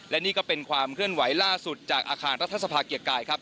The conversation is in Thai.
และนี่ก็เป็นความเคลื่อนไหวล่าสุดจากอาคารรัฐสภาเกียรติกายครับ